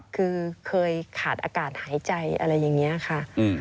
คือเคยขาดอากาศหายใจอะไรอย่างนี้ค่ะ